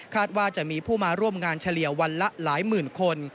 ว่าจะมีผู้มาร่วมงานเฉลี่ยวันละหลายหมื่นคน